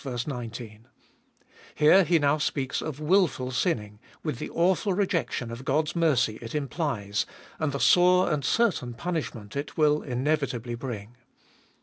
19) : here he now speaks of wilful sinning, with the awful rejection of God's mercy it implies, and the sore and certain punishment it will inevitably bring.